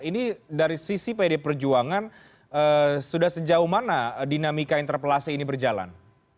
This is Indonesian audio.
ini dari sisi pd perjuangan sudah sejauh mana dinamika interpelasi ini berjalan